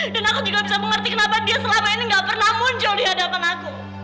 dan aku juga bisa mengerti kenapa dia selama ini gak pernah muncul di hadapan aku